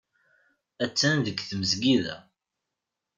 Attan deg tmesgida.